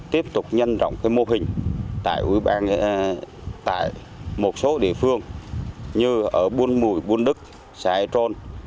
tiếp tục nhân rộng mô hình tại một số địa phương như ở buôn mùi buôn đức xã e trôn